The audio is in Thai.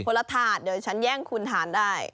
ละถาดเดี๋ยวฉันแย่งคุณทานได้